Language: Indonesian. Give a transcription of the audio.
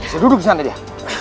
saya duduk di sana dia